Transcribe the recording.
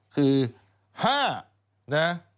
คือ๕นะ